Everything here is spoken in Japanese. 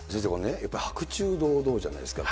やっぱり白昼堂々じゃないですか。